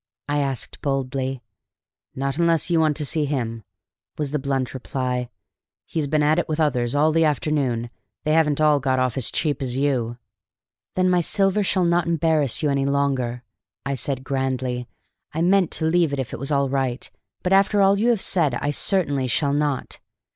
I asked boldly. "Not unless you want to see him," was the blunt reply. "He's been at it with others all the afternoon, and they haven't all got off as cheap as you." "Then my silver shall not embarrass you any longer," said I grandly. "I meant to leave it if it was all right, but after all you have said I certainly shall not.